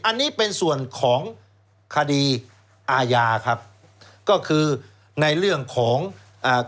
อันนี้เป็นส่วนของคดีอาญาครับก็คือในเรื่องของอ่า